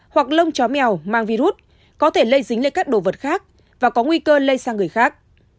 hoặc lông chó mèo mang virus có thể lây dính lên các đồ vật khác và có nguy cơ lây sang người khác